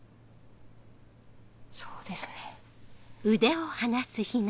そうですね。